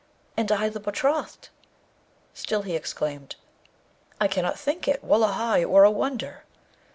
and I the betrothed.' Still he exclaimed, 'I cannot think it! Wullahy, it were a wonder!'